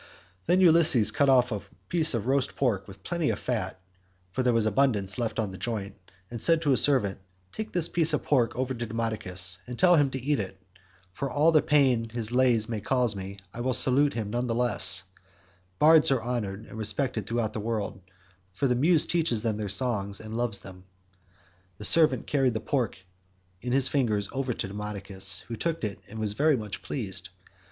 Then Ulysses cut off a piece of roast pork with plenty of fat (for there was abundance left on the joint) and said to a servant, "Take this piece of pork over to Demodocus and tell him to eat it; for all the pain his lays may cause me I will salute him none the less; bards are honoured and respected throughout the world, for the muse teaches them their songs and loves them." The servant carried the pork in his fingers over to Demodocus, who took it and was very much pleased.